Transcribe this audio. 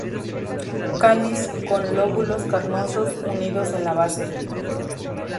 Cáliz con lóbulos carnosos, unidos en la base.